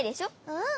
うん。